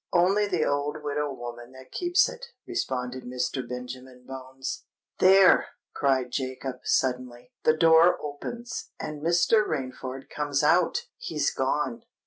"Only the old widow woman that keeps it," responded Mr. Benjamin Bones. "There!" cried Jacob, suddenly: "the door opens—and Mr. Rainford comes out! He's gone."